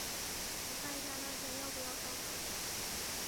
我要看一下那天要不要上班。